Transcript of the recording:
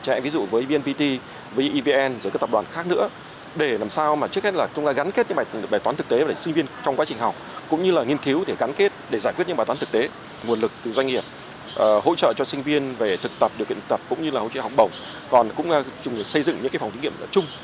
chúng tôi sẽ trải nghiệm ví dụ với bnpt với evn với các tập đoàn khác nữa để làm sao mà trước hết là chúng ta gắn kết những bài toán thực tế và để sinh viên trong quá trình học cũng như là nghiên cứu để gắn kết để giải quyết những bài toán thực tế nguồn lực từ doanh nghiệp hỗ trợ cho sinh viên về thực tập điều kiện tập cũng như là hỗ trợ học bổng còn cũng xây dựng những phòng thí nghiệm chung